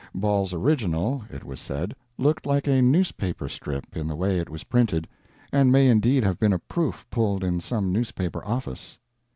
Ball's original, it was said, looked like a newspaper strip in the way it was printed, and may indeed have been a proof pulled in some newspaper office.